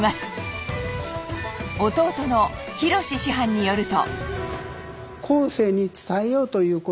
弟の宏師範によると。